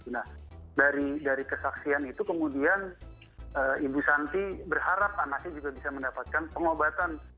nah dari kesaksian itu kemudian ibu santi berharap anaknya juga bisa mendapatkan pengobatan